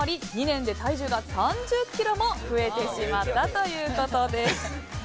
２年で体重が３０ｋｇも増えてしまったということです。